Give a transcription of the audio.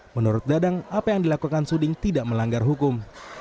menurut dadang apa yang dilakukan suding tidak melanggar hukum